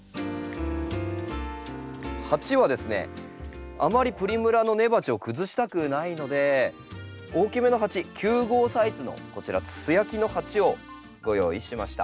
鉢はですねあまりプリムラの根鉢を崩したくないので大きめの鉢９号サイズのこちら素焼きの鉢をご用意しました。